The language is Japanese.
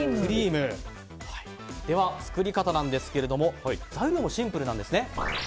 では作り方なんですけども材料もシンプルなんですね。